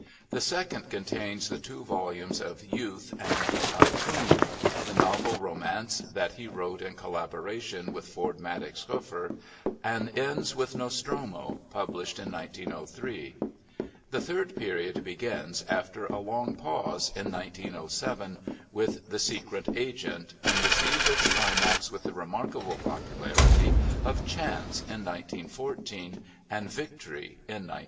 The second contains the two volumes of Youth and Typhoon, the novel Romance that he wrote in collaboration with Ford Madox Hueffer, and ends with Nostromo, published in 1903. The third period begins, after a long pause, in 1907 with The Secret Agent, and receives its climax with the remarkable popularity of Chance in 1914, and Victory (1915).